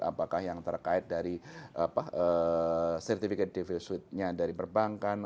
apakah yang terkait dari certificate of the first suite nya dari perbankan